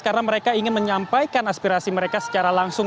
karena mereka ingin menyampaikan aspirasi mereka secara langsung